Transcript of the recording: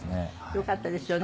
よかったですよね。